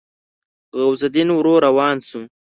غوث الدين ورو روان شو.